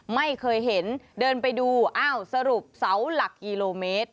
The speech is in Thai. ไม่เคยเห็นเดินไปดูอ้าวสรุปเสาหลักกิโลเมตร